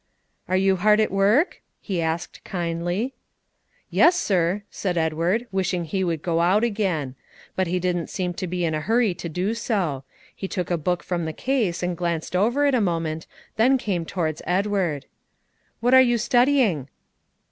"Are you hard at work?" he asked kindly. "Yes, sir," said Edward, wishing he would go out again. But he didn't seem in a hurry to do so; he took a book from the case, and glanced over it a moment, then came towards Edward. "What are you studying?"